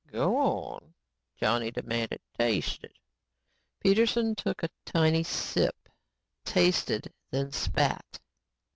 "Go on," Johnny demanded, "taste it." Peterson took a tiny sip, tasted and then spat.